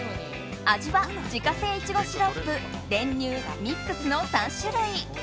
味は、自家製いちごシロップ練乳、ミックスの３種類。